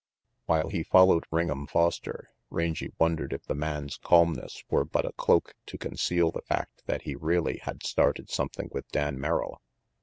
While he followed Ring' em Foster, Rangy won dered if the man's calmness were but a cloak to conceal the fact that he really had started something with Dan Merrill.